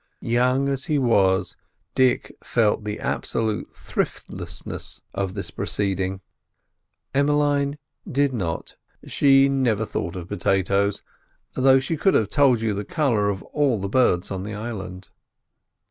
Young as he was, Dick felt the absolute thriftlessness of this proceeding. Emmeline did not; she never thought of potatoes, though she could have told you the colour of all the birds on the island.